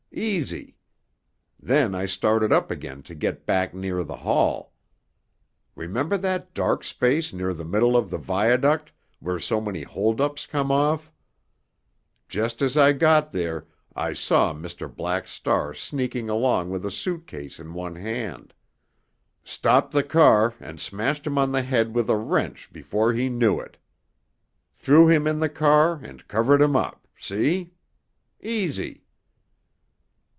Easy! Then I started up again to get back near the hall. Remember that dark space near the middle of the viaduct, where so many holdups come off? Just as I got there I saw Mr. Black Star sneaking along with a suit case in one hand. Stopped the car and smashed him on the head with a wrench before he knew it! Threw him in the car and covered him up—see? Easy!"